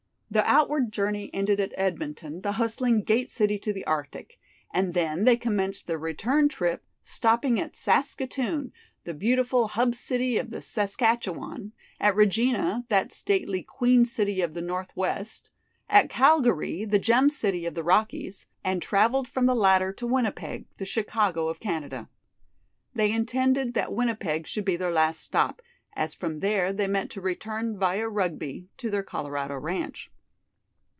The outward journey ended at Edmonton, the hustling "Gate City to the Arctic", and then they commenced their return trip, stopping at Saskatoon, the beautiful "Hub City of the Saskatchewan"; at Regina, that stately "Queen City of the North West;" at Calgary, the "Gem City of the Rockies", and travelled from the latter to Winnipeg, the "Chicago of Canada." They intended that Winnipeg should be their last stop, as from there they meant to return via Rugby to their Colorado ranch.